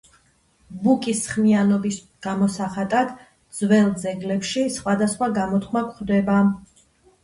ბუკის ხმიანობის გამოსახატად ძველ ძეგლებში სხვადასხვა გამოთქმა გვხდება.